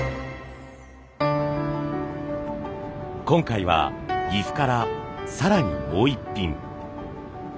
今回は岐阜から更にもう一品。